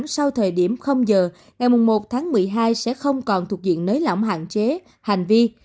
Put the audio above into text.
sau thời điểm giờ ngày một tháng một mươi hai sẽ không còn thuộc diện nới lỏng hạn chế hành vi